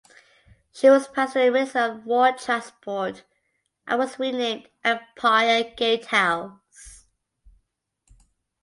She was passed to the Ministry of War Transport and was renamed "Empire Gatehouse".